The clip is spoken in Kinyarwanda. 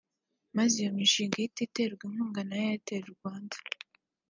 maze iyo mishinga ihite iterwa inkunga na Airtel Rwanda